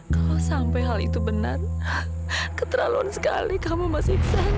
kalau sampai hal itu benar keteraluan sekali kamu mas iksan